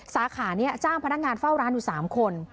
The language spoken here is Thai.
สาขานี้จ้างพนักงานเฝ้าร้านอยู่๓คน